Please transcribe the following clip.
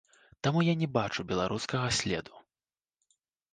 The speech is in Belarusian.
Таму я не бачу беларускага следу.